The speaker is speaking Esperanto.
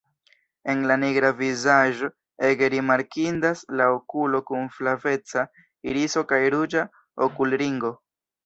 En la nigra vizaĝo ege rimarkindas la okulo kun flaveca iriso kaj ruĝa okulringo.